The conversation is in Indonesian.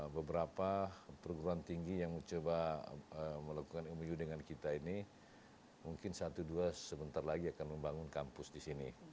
beberapa perguruan tinggi yang mencoba melakukan mou dengan kita ini mungkin satu dua sebentar lagi akan membangun kampus di sini